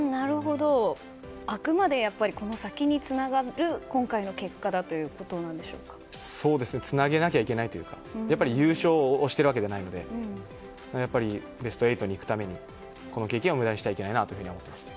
あくまでこの先につながる今回の結果だということつなげなきゃいけないというか優勝をしているわけではないのでやっぱりベスト８に行くためにこの経験を無駄にしてはいけないなと思います。